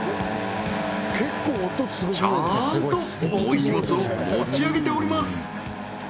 ちゃんと重い荷物を持ち上げております